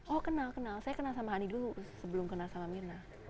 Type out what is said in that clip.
oh kenal kenal saya kenal sama hani dulu sebelum kenal sama mirna